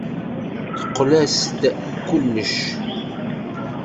Teqqel-as d kullec.